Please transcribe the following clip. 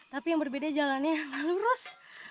tapi yang berbeda jalannya lurus